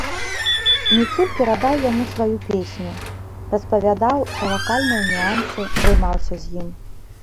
Міцуль перадаў яму сваю песню, распавядаў пра вакальныя нюансы, займаўся з ім.